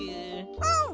うん！